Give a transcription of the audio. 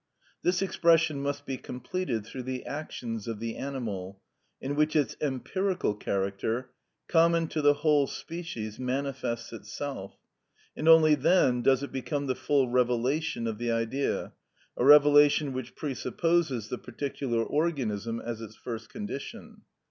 This expression must be completed through the actions of the animal, in which its empirical character, common to the whole species, manifests itself, and only then does it become the full revelation of the Idea, a revelation which presupposes the particular organism as its first condition.